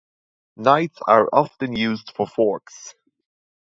Knights are often used for forks.